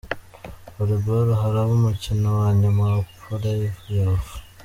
Volebolo, haraba umukino wa nyuma wa Puleyofu.